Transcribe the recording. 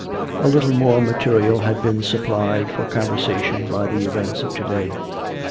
A little more material had been supplied for conversa tion by the events of to day.